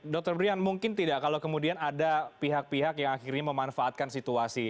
dr brian mungkin tidak kalau kemudian ada pihak pihak yang akhirnya memanfaatkan situasi